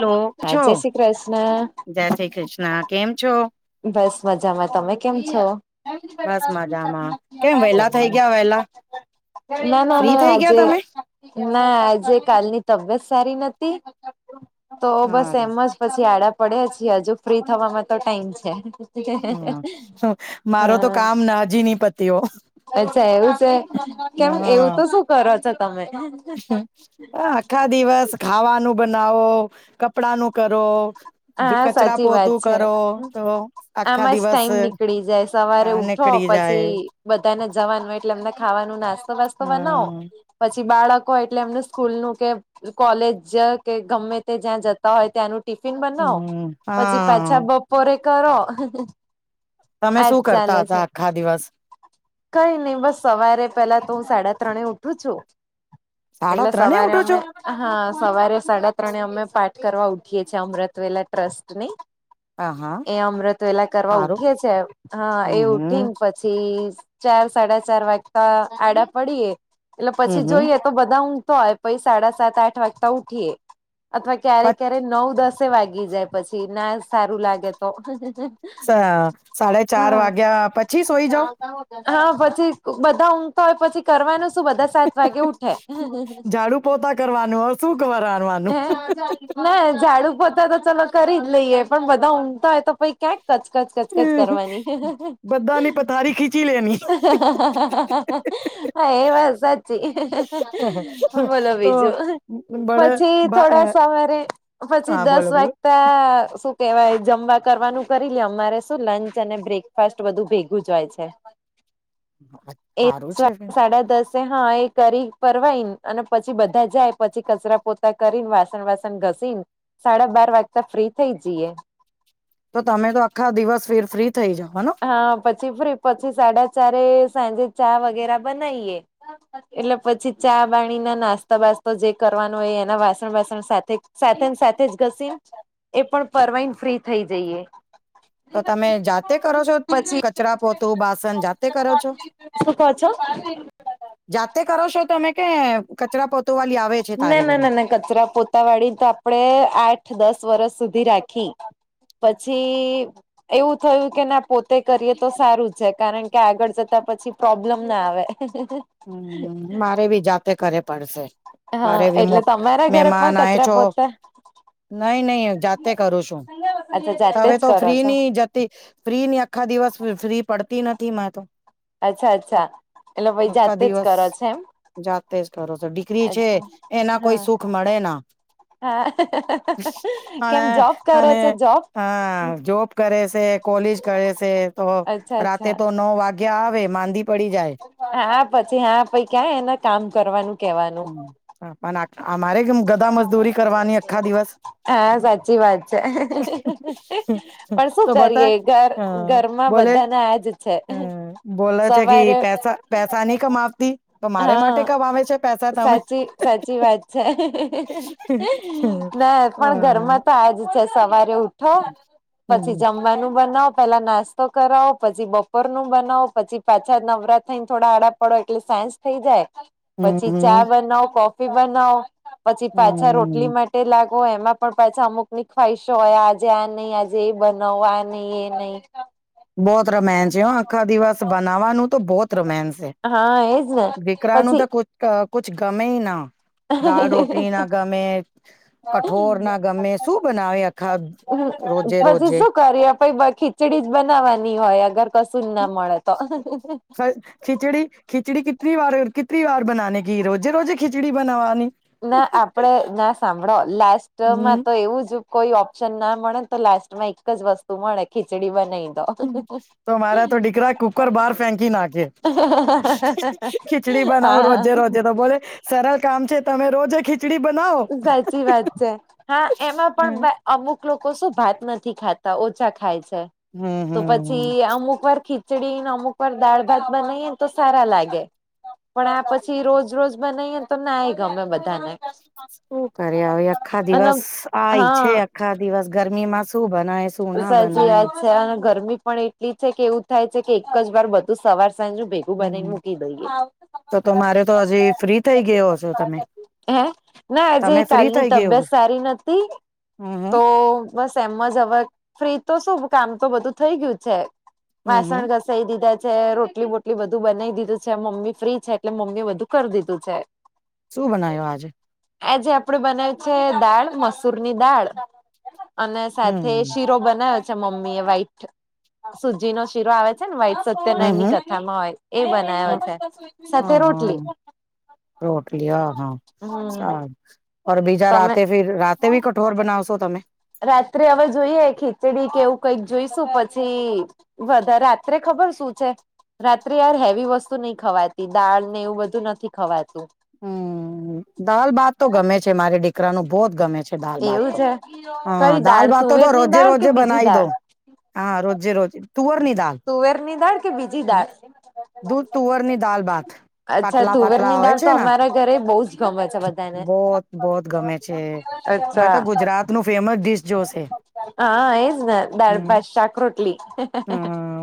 Hello, હા છો જય શ્રી કૃષ્ણ જય કૃષ્ણ કેમ છો. બસ મજામાં. તમે કેમ છો. બસ મજામાં. કેમ વેલા થઇ ગયા વેલા. ના -ના -ના આજે ના આજે કાલની તબિયત સારી નથી તો બસ હારું એમ જ પછી આડા પડયા છીએ, હજુ ફ્રી થાવામાં તો ટાઈમ છે. હા. નાજી ની પ અચ્છા એવું છે, કેમ એવું તો શું કરો છો તમે? હા આ આખા દિવસ ખાવાનું બનાવો, કપડા નું કરો. હા, કચરા સાચી વાત પોતું છે. કરો તો આખા આમાં જ દિવસ ટાઈમ અ નીકળી જાય. સવારે ઉઠો, નીકળી પછી જાય બધાને જવાનું હોય એટલે અમને ખાવાનું નાસ્તો વાસ્તો બનાવો. હમ પછી બાળકો હોય એટલે એમને સ્કૂલ નું કે કોલેજ કે ગમે તે જ્યાં જતા હોય ત્યાંનું ટિફિન બન ઓ. હમ પછી હા પાછા ભ બપોરે કરો તમે આજ શું કરતા ચાલે છે. હતા આખા દિવસ કઈ નહી બસ સવારે પેલા તો હું સાડા ત્રણે ઉઠું છું સાડા એટલા ત્રણે સવારે ઉઠો છો અમે હા સવારે સાડા ત્રણે અમે પાઠ કરવા ઉઠીએ છીએ અમૃતવેલા ટ્રસ્ટ ની હા હા એ અમૃવેલા કરવા સારું ઉઠી છે હા હમ એ હમ ઉઠીને પછી ચાર સાડા ચાર વાગતા આડા પડીએ એટલે હમ પછી હમ જોઈએ તો બધા ઊંઘતા હોય પઈ સાડા સાત આઠ વાગતા ઉઠીએ અથવા ક્યારે પછ ક્યારે નવ દસ વાગી જાય પછી નાજ સારું લાગે તો સાડા ચાર હા. વાગ્યા પછી સોઈ જાવ હા પછી બધા ઊંઘતા હોય પછી કરવાનું શું બધા સાત વાગે ઉઠે હમ્મ ઝાડુ પોતા કરવાનું ઓર શું કરવાનું હમ્મ હમ્મ હૈ. ના એ ઝાડુ પોતા તો ચાલ કરી જ લઈએ પણ બધા ઊંઘતા હોય તો પછ ક્યાંક કચકચ ક કચ કરવાની. બધાની પથારી ખીચી લેની હા એ વાત સાચી બોલો તો બીજું બડે પછી ભા થોડા સવારે પછી હા દસ બોલો વાગ્ બોલો તે શું કેહેવાય જમવા કરવાનું કરી લે. અમારે શું લંચ અને બ્રેક ફાસ્ટ બધું ભેગું જાય છે. એ સારું સા છે ફેર સાડા દસ તે હા એ કરી ફરવાઈન અને પછી બધા જાય, પછી કચરા પોતરા કરી ને વાસણ વાસન ઘસીન સાડા બાર વાગતા ફ્રી થઇ જીયે. તો તમે તો આખા દિવસ ફ્રી ફ્રી થઈ જવાનો. હા પછી ફ્રી પછી સાડા ચારે સાંજે ચા વગેરા બનાઈએ એટલે પછી ચા બાણી નો નાસ્તા બાસ્તો જે કરવાનો હોય એના વાસણ વાસણ સાથે સાથે ન સાથે જ ઘસીન એ પણ પરવાઈ ન ફ્રી થઈ જઈએ. તો તમે જાતે કરો છો? પછી કચરા પોતું બાસણ જાતે કરો છો? શું કહો છો જાતે કરો છો તમે કે, કચરા પોતું વાલી આવે છે ના તારે ના ઘરે? ના ના કચરા પોતા વાળી તો આપડે આઠ દસ વરષ સુધી રાખી પછી એવું થયું કે ના પોતે કરીએ તો સારું છે કારણ કે આગળ જતા પછી પ્રોબ્લેમ ના આવે. હમ્મ મારે બી જાતે કરે પડશે. હા મારે બી મો એટલે તમારા ઘરે પણ મહેમાન આય કચરા છો પોતા નહી નહી જાતે કરું છું. અચ્છા તો જાતે હવે જ તો કરો ફ્રી છો ની, જા તી ફ્રી ની આખા દિવસ ફ્રી ફ્રી પડતી નથી માં તો અચ્છા અચ્છા એટલે પહી આખા જાતે જ દિવસ કરો છો એમ? જાતે જ કરો છો ડીકરી છે એના કોઈ હા સુખ મળે ના. હા પણે કેમ જોબ કરે અને છે જોબ અહ જોબ કરે સે કોલેજ કરે છે. તો અચ્છા રાતે અચ્છા તો નવ વાગ્યા આવે માંદી પડી જાય. હા પછી હા પહી ક્યાં એને કામ કરવાનું કેવાનું. હા પણ અમારે કેમ ગદા મજદૂરી કરવાની અખા દિવસ. હા સાચી વાત છે, પણ શું તો બટા કરીએ ઘર અ ઘરમાં બોલે બધા ના આજ છે. અ બોલે છે કે સવારે પૈસા પૈસા નહી કમાવતી તો હ મારે માટે કમાવે છે પૈસા તમે સાચી સાચી વાત છે. ના, પણ વાહ. ઘરમાં તો આજ છે, સવારે ઉઠો પછી હમ.. હમ જમવાનું બનાવો, પેલા નાસ્તો કરાવો, પછી બપોરનું બનાવો, પછી પાછા નવરા થઈને થોડા આડા પડો એટલે સાંજ થઈ જાય, પછી ચા હમ બનાવો, કોફી બનાવો પછી પાછા રોટલી હમ મા ટે લાગો, એમાં પણ પાછા અમુક ની ખ્વાહીશો હોય, આજે આ નહી આજે એ બનાવો આ નહિ એ નહી બહોત રામાયન છે હો આખા દિવસ બનાવવાનું તો બહોત રોમસ હા એજ ને દીકરા નું તો પછી કુત અ.. કુછ ગમેય ના દાલ રોટલી ના [unintelligible] ગરમ-ગરમ, ગમે કઠોર ના ગમે શું બનાવે આખા રોજે હ.. પછી રોજે શું કરીયે પહી બખી ખીચડી જ બનાવવાની હોય અગર કશું જ ના મળે તો ખિચડી, ખીચડી કિતની વારે, કિતની બાર બનાને કિ રોજે-રોજે ખિચડી બનવાની. ના, આપડે ના સાંભળો હમ લાસ્ટમાં તો એવું જ કોઈ ઓપ્શન ના મળે તો લાસ્ટમાં એક જ વસ્તુ મળે, ખીચડી બનાય તો મારે તો ડીકરા કુકર બહાર ફેંકી નાખે શું ખીચડી બનાવું હા રોજે-રોજે, તો બોલે સરળ કામ છે, તમે રોજે ખીચડી બનાવો સાચી વાત છે, હા એમાં હમ પણ અમુક લોકો શું ભાત નથી ખાતા, ઓછા ખાય છે. હમ તો હમ પછી અમુક વાર ખીચડી ને અમુક વાર દાળ-ભાત બનાવીએ ને તો સારા લાગે. પણ આ પછી રોજ-રોજ બનાવીએ તો ના ગમે બધાને શું કરે અવે આખા અને દિવસ આય છે, હા આખા દિવસ ગરમી માં સાચી વાત છે અને ગરમી પણ એટ એટલી છે કે, એવું થાય છે કે એક જ વાર બધું સવાર સાંજું ભેગું હમ, બનાવીને મૂકી દઈએ. તો-તો મારે તો હજી ફ્રી થઈ ગયો છો, તમે? હે, ના આજે તમે ફ્રી કાલની થઈ ગયો તબિયત સારી નથી, હમ હમ તો બસ એમ જ હવે ફ્રી તો શું કામ તો બધું થઈ ગયું છે, હમ હમ વાસણ ગસ સઈ દીધા છે, રોટલી-બોટલી બધું બનાવી દીધું છે, મમ્મી ફ્રી છે એટલે મમ્મી એ બધું કરી દીધું છે. શું બનાયું આજે? આજે આપણે બનાયું છે દાળ, મસૂરની દાળ અને સાથે હમ શીરો બનાવ્યો છે મમ્મી એ વ્હાઈટ સુજી નો શીરો આવે છે ને વાઈટ હમ સત્યનારાયણ ની હમ કથામાં હોય એ બનાયો હ છે, સાથે હા રોટલી રોટલી, અ.. હ.. હમ સારું ઓર બીજા તમે રાતે ફીર રાતે ભી કઠોર બનાવશો તમે? રાત્રે હવે જોઈએ, ખીચડી કે એવું કઈક જોઈશું પછી બધા રાત્રે ખબર શું છે, રાત્રે યાર હેવી વસ્તુ નહી ખવાતી દાળ ને એવું બધું નથી ખવાતું હમ, દાલ-ભાત તો ગમે છે મારે દીકરાનું બહોત ગમે છે દાલ-ભાત, એવું છે હ.. કઈ દાલ દાળ ભાતતો તો તુવેરની દાળ કે રોજે-રોજે બીજી બનાઈ દવ દાળ હા, રોજે-રોજ તુવર ની દાલ તુવેર ની દાળ કે બીજી દાળ દૂધ તુવરની દાલ ભાત, અચ્છા પાતલા-પાતલા તુવેરની આવે દાળ છે તો ના અમારા ઘરે બહુ જ ગમે છે બધાને. બહોત, બહોત ગમે છે, એ તો ગુજરાત નું ફેમસ ડીશ જોશે હા, એજ ને હમ દાળ-ભાત, શાક, રોટલી હ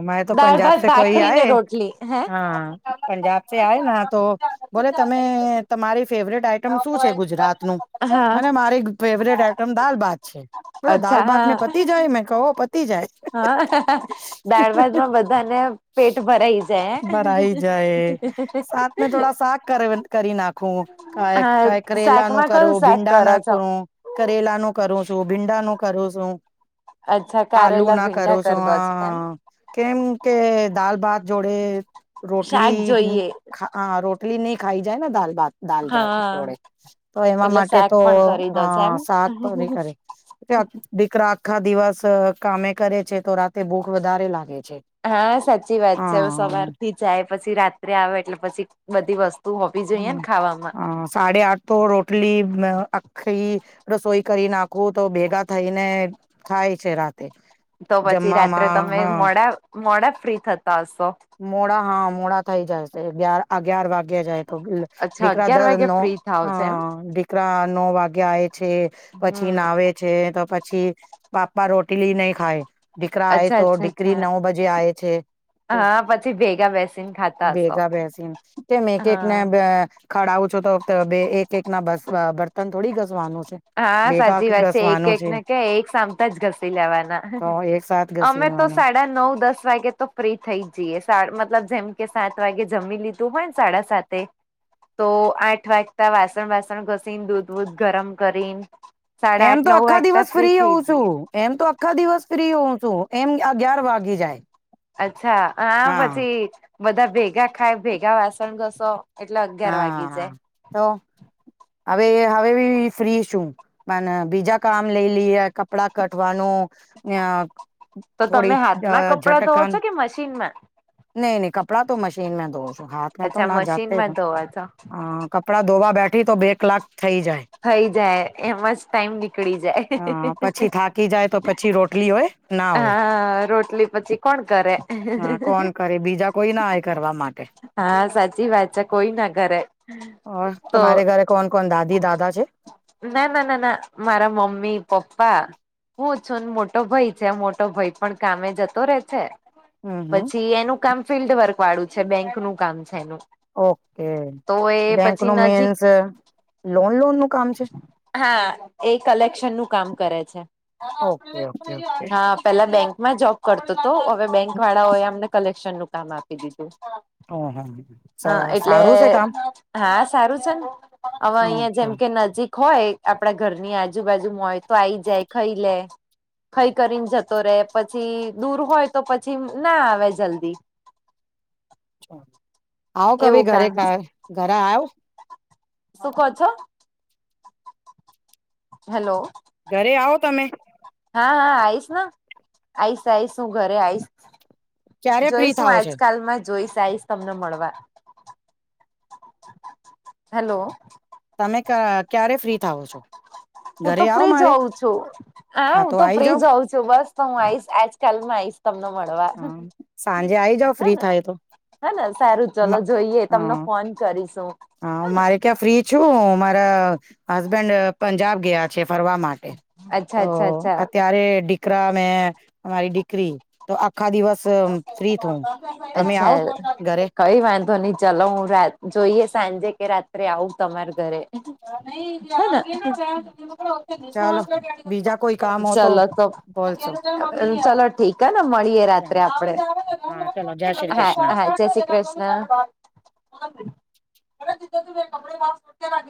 મારે તો દાળ પંજાબ ભાત સે કોઈ ભાખરી ને આયે, રોટલી હે. હા પંજાબ સે આય ના તો, બોલે તમે એ તો મારી ફેવરેટ આઈટ [unintelligible] શું છે ગુજરાત નું હા મને મારી ફેવરેટ આઈટમ દાલ ભાત છે. બોલે દાલ અચ્છા ભાત મેં હા પતી જાય મેં કઉ હો પતી જાય [unintelligible] મને પેટ ભરાઈ [unintelligible] ભરાઈ જાય હે. સાત મે થોડા શાક કર [unintelligible] કરી નાખું ખાય કાય હા કાઈ કરેલા નું શાકમાં કરુ કયું શાક ભીંડા કરો ના છો? કરુ કરેલા નું કરું છું ભીંડા નું કરું છું. અચ્છા આલુ કારેલા ના કરો ભીંડા છું કરી દો છો એમ [unintelligible] કેમ કે દાલ ભાત જોડે શાક રોટલી [unintelligible] જોઈએ ખા આ રોટલી નઈ ખાઈ જાયન દાલ ભાત દાલ જાડ હા. જોડે તો એમાં એટલે માટે શાક તો પણ કરી અ દો છો એમ. શાક તો ની કરે [unintelligible] દીકરા આખા દિવસ અ કામે કરે છે તો રાતે ભૂખ વધારે લાગે છે. હા સાચી વાત છે હવે હા સવારથી જાય પછી રાત્રે આવે એટલે પછી બધી વસ હમ્મ હા સાડે આઠ તો રોટલી બઅ અખી રસોઈ કરી નાખું તો ભેગા થઈને ખાય છે રાત. તો પછી રાત્રે તમે મોડા મોડા ફ્રી થતા હશો? મોડા હા મોડા થઈ જાય છે ગયાર આગિયાર વાગી જાય તોબી લે. અચ્છા ડીકરા અગિયાર વાગે દરનો ફ્રી થાવ છે એમ અહ ડીક રા નો વાગે આયે છે પછી હમ નાવે છે તો પછી બાપા રોટલી નહી ખાય. ડીકરા આયે અચ્છા તો અચ્છા ડીકરી અચ્છા નવ બજે આયે છે. હા [unintelligible] પછી ભેગા બેસીને ખાતા હશો ભેગા બેસીન કેમ એક એક ને હા બ અ ખડાવું છો તો ત બે એક એક ના [unintelligible] બર્તન થોડી ઘસવાનું છે હા ભેગા સાચી વાત છે એક ઘસવાનું એક છે ને ક્યાં એક સામટા જ ઘસી લેવાના તો એક સાથ [unintelligible] અમે તો ઘસીવાનું સા નવ દસ વાગે તો ફ્રી થઈ જ જઈએ સા મતલબ જેમ કે સાત વાગે જમી લીધું હોયન સાડા સાત તે તો આઠ વાગતા વાસણ બાસણ ઘસીન દૂધવૂધ ગરમ કરીન એમ તો આખા દિવસ ફ્રી હોઉ છું. એમ તો આખા દિવસ ફ્રી હોઉં છું એમ અગિયાર વાગી જાય. અચ્છા હા પછી બધા ભેગા ખાય ભેગા વાસણ ઘશો. હા હા તો હવેએ હવે બી ફ્રી શું. ના ના બીજા કામ લેઈ લેઈએ કપડા કટવાનું અ તો તમે થોડી અ હાથમાં કપડા ધોવો છો કે મશીનમાં? નઈ ની કપડા તો મશીન માં ધોવું છું હાથ અચ્છા મશીનમાં ધોવા છો. હા કપડા ધોવા બેઠી તો બે કલાક. થઈ જાય થઈ જાય એમ જ ટાઈમ નીકળી જાય [unintelligible] કે થાકી જાય તો પછી રોટલીઓ હોય ના. હોય હા રોટલી પછી કોણ કરે? હ કોણ કરે બીજા કોઈ ના હોય કરવા માટે [unintelligible] હા સાચી વાત છે કોઈ ના કરે. હ તો તમારે ઘરે કોણ કોણ દાદી દાદા છે? ના ના ના ના મારા મમ્મી પપ્પા. હું છું ન મોટો ભાઈ છે મોટો ભાઈ પણ કામે જતો રે છે. હમ હમ પછી એનું કામ ફિલ્ડ વર્ક વાળું છે બેંક નું કામ છે એનું. ઓકે તો એ પછી બેંકનો નજીક મીન્સ લોન લોન નું કામ છે હા એ કલેક્શનનું કામ કરે છે ઓકે ઓકે ઓકે [unintelligible] હા. પેલા બેંકમાં જોબ કરતો તો હવે બેંક વાળાઓએ અમને કલેક્શનનું કામ આપી દીધું. હા હા હહ. હ એટલે હા સારું છે ને હવે અહિયાં જેમ હ કે નજીક હોય આપડા ઘરની આજુબાજુમાં હોય તો આઈ જાય ખાઈ લે. ખઈ કરીને જતો રે પછી દૂર હોય તો પછી ના આવે જલ્દી. આવો કભિ એવું ઘરે કામ કા છે ઘરે આવો. શું કો છો? હલો ઘરે આવો તમે. હા હા આઈશ ના. આઈશ આઈસ હું ઘરે આઈશ. ક્યારે ફ્રી જોઈશ હું થાવો છે આજકાલમાં જોઈશ આઈશ. તમને મળવા. હલો તમે ક ક્યારે ફ્રી થાવો છો? હું તો ઘરે આવો ફ્રીજ મારે હોઉ છું. હા હું તો ફ્રીજ હોઉ છ તું બસ તો હું આઈશ આજકાલમાં આઈશ તમને મળ વા હા સાંજે આઈ જાવ ફ્રી હને થાય તો હને સારું ચલો જોઈએ તમને ફોન કરીશ હું. હા મારે ક્યાં ફ્રી છું મારા હસબેન્ડ પંજાબ ગયા છે ફરવા માટે. અચ્છા તો અચ્છા અચ્છા અત્યારે દિ કરા ને અમારી દીકરી તો આખા દિવસ ત ફ્રી થુ, તમે આવો અચ્છા ઘરે. કઈ વાંધો નહી ચલો હું રા જોઈએ સાંજે કે રાત્રે આવું તમારા ઘરે. હને [inaudible] ચલો ચાલો બીજા કોઈ કામ હો તો. બોલશો. ચલો ઠીક હ ને મળીએે રાત ત્રે આપડે. હા ચલો જય શ્રી હા કૃષ્ણ. હા જયસી કૃષ્ણ [inaudible]